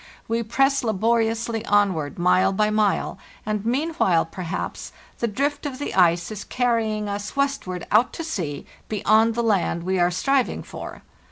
We press laboriously onward mile by mile; and meanwhile, perhaps, the drift of the ice is carrying us westward out to sea, beyond the land we are striving for.